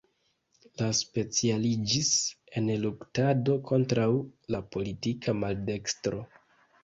Li specialiĝis en luktado kontraŭ la politika maldekstro.